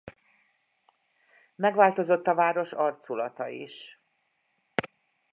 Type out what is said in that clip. Megváltozott a város arculata is.